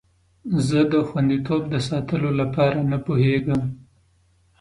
زه د خوندیتوب د ساتلو لپاره نه پوهیږم.